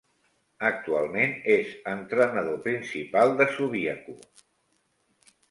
Actualment, és entrenador principal de Subiaco.